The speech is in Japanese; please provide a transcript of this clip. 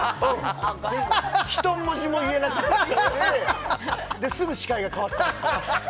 一文字も言えなくてで、すぐ司会が代わったんです。